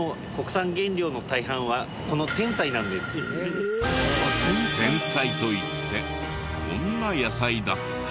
テンサイといってこんな野菜だった。